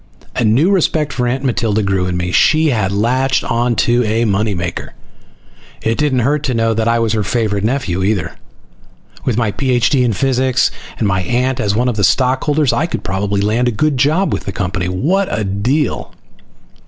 A new respect for Aunt Matilda grew in me. She had latched on to a money maker! It didn't hurt to know that I was her favorite nephew, either. With my Ph.D. in physics, and my aunt as one of the stockholders, I could probably land a good job with the company. What a deal!